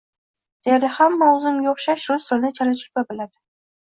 Deyarli hamma oʻzimga oʻxshash, rus tilini chala-chulpa biladi.